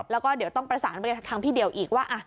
แล้วก็เดี๋ยวต้องประสานไปทางพี่เดี่ยวอีกว่า